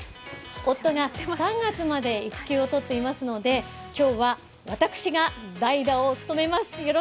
夫が３月まで育休を取っていますので、今日は私が代打を務めます。